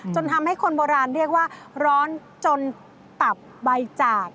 จนทำให้คนโบราณเรียกว่าร้อนจนตับใบจาก